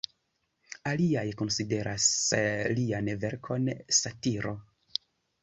Aliaj konsideras lian verkon satiro.